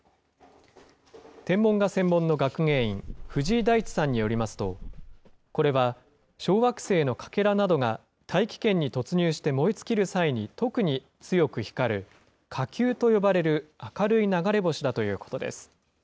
天文が専門の学芸員、藤井大地さんによりますと、これは小惑星のかけらなどが大気圏に突入して燃え尽きる際に特に強く光る、火球と呼ばれる明るい流れ星だということです。